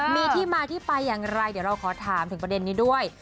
มีที่มาที่ไปอย่างไรเดี๋ยวเราขอถามถึงประเด็นนี้ด้วย